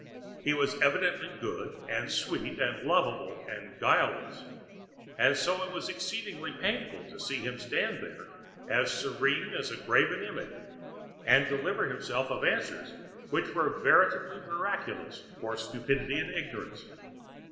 He was evidently good, and sweet, and lovable, and guileless; and so it was exceedingly painful to see him stand there, as serene as a graven image, and deliver himself of answers which were veritably miraculous for stupidity and ignorance.